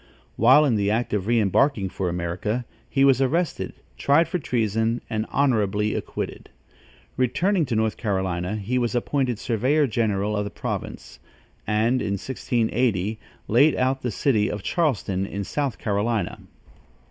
While in the act of re embarking for America, he was arrested, tried for treason and honorably acquitted. Returning to North Carolinia, he was appointed surveyor general of the province, and, in 1680, laid out the city of Charleston in South Carolinia.